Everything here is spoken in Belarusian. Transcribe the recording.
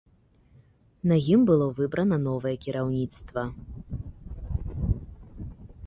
На ім было выбрана новае кіраўніцтва.